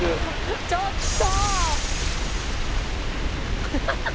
「ちょっと！」